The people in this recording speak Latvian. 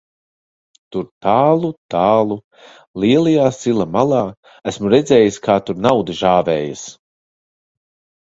Tur tālu, tālu lielajā sila malā, esmu redzējis, kā tur nauda žāvējas.